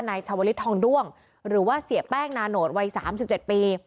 ในชาวฤทธิ์ทองด้วงหรือว่าเสียแป้งนานโหนดวัยสามสิบเจ็ดปี